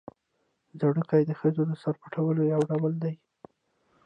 ځړوکی د ښځو د سر پټولو یو ډول دی